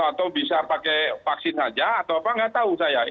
atau bisa pakai vaksin saja atau apa nggak tahu saya